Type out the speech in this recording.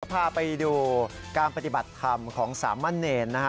พาไปดูการปฏิบัติธรรมของสามะเนรนะฮะ